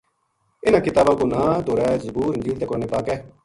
انہاں کتاباں کو ناں، توریت، زبور انجیل تے قرآن پاک ہے۔